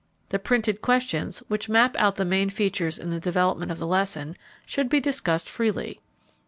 The printed questions, which map out the main features in the development of the lesson, should be discussed freely.